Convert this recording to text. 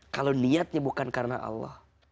kalau niatnya bukan karena allah